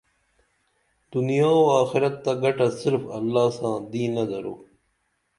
دنیا او آخِرت تہ گھٹہ صرف اللہ ساں دِنہ درو